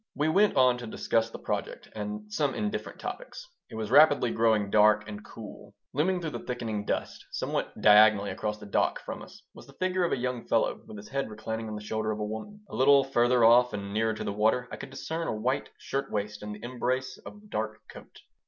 We went on to discuss the project and some indifferent topics. It was rapidly growing dark and cool. Looming through the thickening dusk, somewhat diagonally across the dock from us, was the figure of a young fellow with his head reclining on the shoulder of a young woman. A little further off and nearer to the water I could discern a white shirt waist in the embrace of a dark coat.